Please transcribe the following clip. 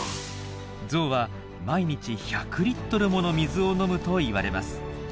ゾウは毎日１００リットルもの水を飲むといわれます。